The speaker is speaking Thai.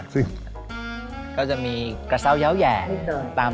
สมมติว่าท่าน